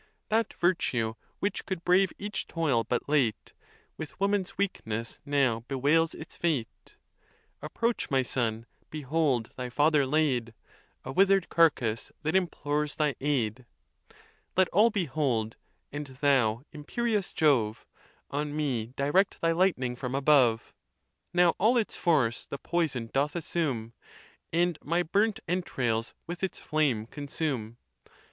That virtue, which could brave each toil but late, With woman's weakness now. bewails its fate. Approach, my son; behold thy father laid, A wither'd carcass that implores thy aid ; Let all behold: and thou, imperious Jove, On me direct thy lightning from above: Now all its force the poison doth assume, And my burnt entrails with its flame consume.